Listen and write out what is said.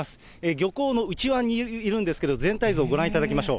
漁港の内湾にいるんですけど、全体像、ご覧いただきましょう。